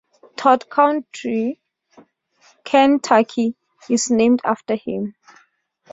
Todd County, Kentucky is named after him.